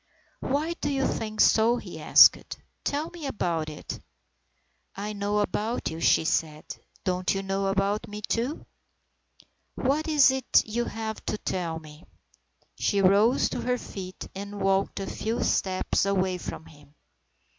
"Why do you think so?" he asked. "Tell me about it." " I know about you," she said. " Don't you know about me, too ?"" What is it you have to tell me ?" She rose to her feet, and walked a few steps away from him.